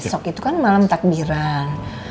besok itu kan malam takbiran